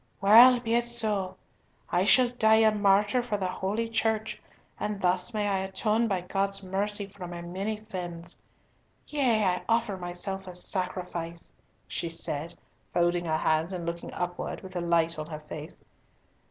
Well, be it so! I shall die a martyr for the Holy Church, and thus may I atone by God's mercy for my many sins! Yea, I offer myself a sacrifice," she said, folding her hands and looking upward with a light on her face.